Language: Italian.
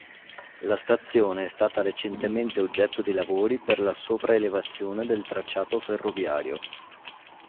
La stazione è stata recentemente oggetto di lavori per la sopraelevazione del tracciato ferroviario.